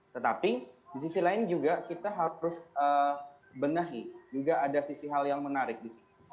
tetapi di sisi lain juga kita harus benahi juga ada sisi hal yang menarik di sini